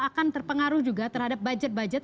akan terpengaruh juga terhadap budget budget